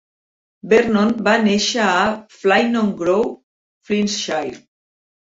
Vernon va néixer a Ffynnongroew, Flintshire.